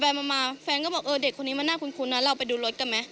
มาแฟนก็บอกเออเด็กคนนี้มันน่าคุ้นนะเราไปดูรถกันไหม